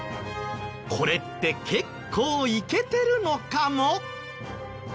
これって結構イケてるのかも。